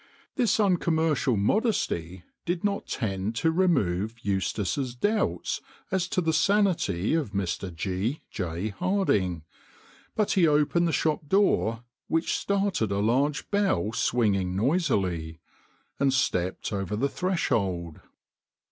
This uncommercial modesty did not tend to remove Eustace's doubts as to the THE COFFIN MERCHANT 175 sanity of Mr. G. J. Harding ; but he opened the shop door which started a large bell swinging noisily, and stepped over the thres hold.